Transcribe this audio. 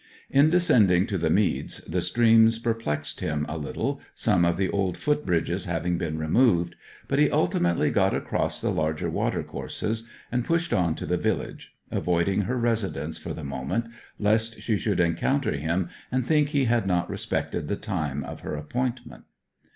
In descending to the meads the streams perplexed him a little, some of the old foot bridges having been removed; but he ultimately got across the larger water courses, and pushed on to the village, avoiding her residence for the moment, lest she should encounter him, and think he had not respected the time of her appointment.